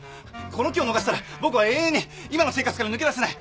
この機を逃したら僕は永遠に今の生活から抜け出せない。